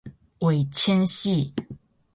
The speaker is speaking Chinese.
尾纤细。